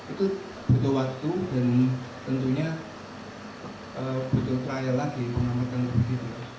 itu butuh waktu dan tentunya butuh trial lagi untuk mengamalkan covid sembilan belas